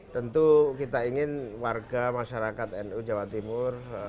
tentu kita ingin warga masyarakat nu jawa timur